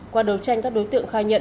qua đấu tranh các đối tượng khai nhận